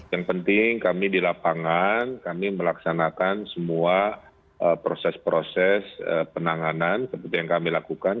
yang penting kami di lapangan kami melaksanakan semua proses proses penanganan seperti yang kami lakukan